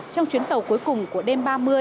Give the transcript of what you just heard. trong chuyến tàu cuối cùng của đêm ba mươi